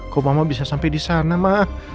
kok mama bisa sampai di sana mak